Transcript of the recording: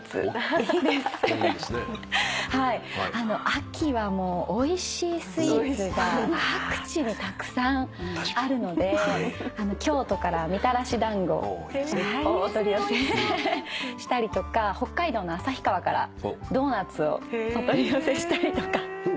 秋はおいしいスイーツが各地にたくさんあるので京都からみたらし団子をお取り寄せしたりとか北海道の旭川からドーナツをお取り寄せしたりとか。